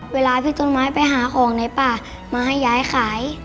เวลาพี่ต้นไม้ไปหาของในป่ามาให้ยายขาย